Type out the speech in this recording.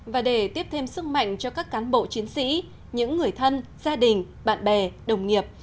và để tiếp thêm sức mạnh cho các cán bộ chiến sĩ những người thân gia đình bạn bè đồng nghiệp